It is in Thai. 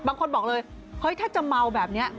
บางคนบอกเลยเฮ้ยถ้าจะเมาแบบนี้